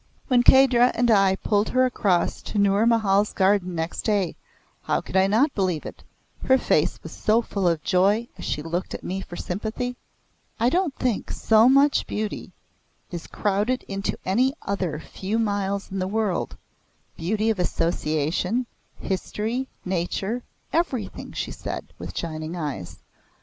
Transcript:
When Kahdra and I pulled her across to Nour Mahal's garden next day, how could I not believe it her face was so full of joy as she looked at me for sympathy? "I don't think so much beauty is crowded into any other few miles in the world beauty of association, history, nature, everything!" she said with shining eyes.